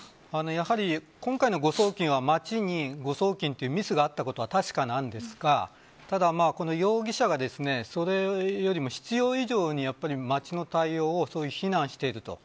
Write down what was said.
今回の誤送金は町に誤送金というミスがあったことは確かですがただ容疑者がそれよりも必要以上に町の対応を非難していると。